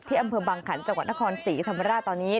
อำเภอบังขันจังหวัดนครศรีธรรมราชตอนนี้